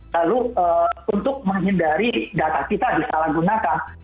lalu untuk menghindari data kita disalahgunakan